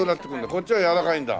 こっちは柔らかいんだ。